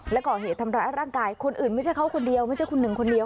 และก่อเหตุทำร้ายร่างกายคนอื่นไม่ใช่เขาคนเดียวไม่ใช่คุณหนึ่งคนเดียว